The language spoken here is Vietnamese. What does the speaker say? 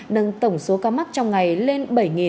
nâng tổng số ca mắc trong ngày lên bảy